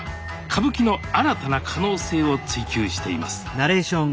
歌舞伎の新たな可能性を追求しています。